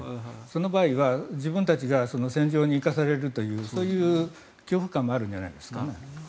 その場合は自分たちが戦場に行かされるというそういう恐怖感もあるんじゃないですかね。